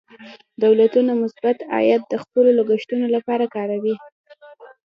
دولتونه مثبت عاید د خپلو لګښتونو لپاره کاروي.